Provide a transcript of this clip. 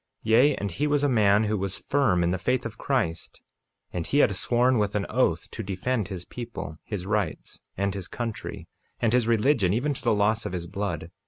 48:13 Yea, and he was a man who was firm in the faith of Christ, and he had sworn with an oath to defend his people, his rights, and his country, and his religion, even to the loss of his blood.